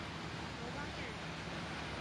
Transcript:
楼邦彦人。